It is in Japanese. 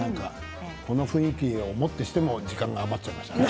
この雰囲気を持ってしても時間が余っちゃいましたね。